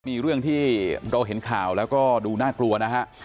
มีเรื่องที่เราเห็นข่าวแล้วก็ดูน่ากลัวนะฮะ